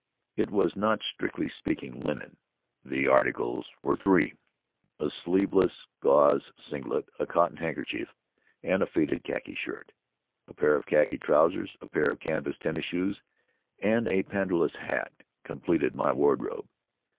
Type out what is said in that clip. It was not, strictly speaking, linen. The articles were three — a sleeveless guaze singlet, a cotton handkerchief, and a faded khaki shirt. A pair of khaki trousers, a pair of canvas tennis shoes, and a pandanus hat completed my wardrobe.